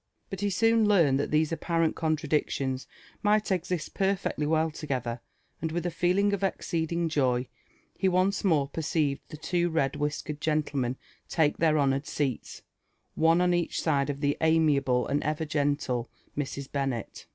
But he soon learned that these apparent contradictions might exist perfecdy wgll together, and with a feeling of exceeding joy he once more perceived the two red whiskered genllemen take their honoured seats, one op each Side the amiable and ever gen(le Mrs. Bennet.